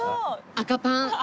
赤パン。